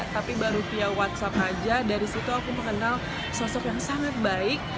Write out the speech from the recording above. tapi baru via whatsapp aja dari situ aku mengenal sosok yang sangat baik